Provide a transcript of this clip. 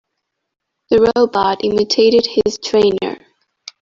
The robot imitated his trainer.